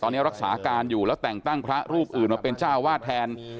ตอนนี้รักษาการอยู่แล้วแต่งตั้งพระรูปอื่นมาเป็นเจ้าวาดแทน